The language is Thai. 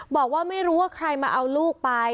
บอกว่าไม่รู้ว่าใครมาเอาลูกไป